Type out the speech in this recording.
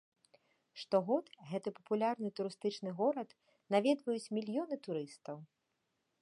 Штогод гэты папулярны турыстычны горад наведваюць мільёны турыстаў.